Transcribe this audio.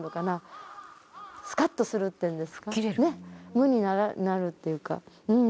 無になるっていうかうん。